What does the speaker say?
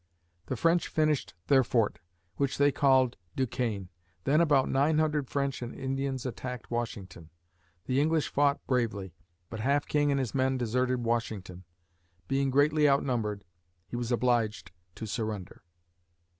The French finished their fort, which they called Duquesne (doo cané). Then about nine hundred French and Indians attacked Washington. The English fought bravely, but Half King and his men deserted Washington. Being greatly outnumbered, he was obliged to surrender.